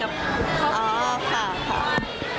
ค่ะค่ะก็เรื่อยค่ะ